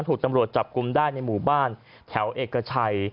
ถูกตำรวจจับกลุ่มได้ในหมู่บ้านแถวเอกชัย